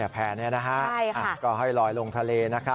แผนนี้นะครับก็ให้ลอยลงทะเล